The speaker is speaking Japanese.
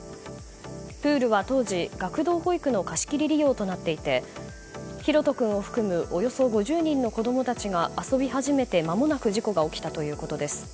プールは当時学童保育の貸し切り利用となっていて大翔君を含むおよそ５０人の子供たちが遊び始めて間もなく事故が起きたということです。